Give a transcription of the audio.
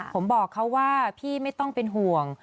ผมบอกเขาว่าพี่ไม่ต้องเป็นห่วง